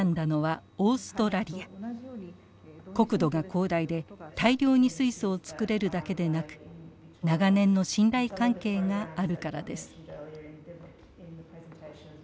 国土が広大で大量に水素を作れるだけでなく長年の信頼関係があるからです。